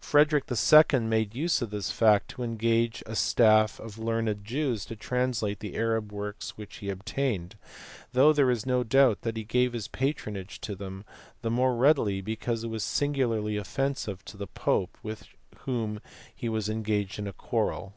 Frederick II. made use of this fact to engage a staff of learned Jews to translate the Arab works which he obtained, though there is no doubt that he gave his patronage to them the more readily because it was singularly offensive to the pope with whom he was then engaged in a quarrel.